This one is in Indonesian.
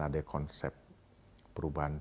ada konsep perubahan